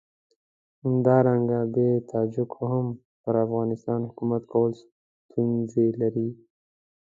همدارنګه بې تاجکو هم پر افغانستان حکومت کول ستونزې لري.